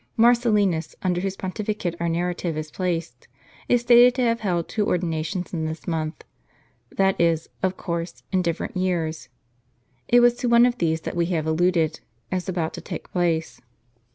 Marcellinus, under whose pontificate our narrative is placed, is stated to have held two ordinations in this month, that is, of course, in different years. It was to one of these that we have alluded, as about to take place.